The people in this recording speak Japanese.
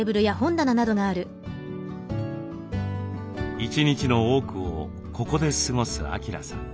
一日の多くをここで過ごす晃さん。